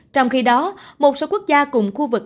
trong khi đó một số quốc gia cùng khu vực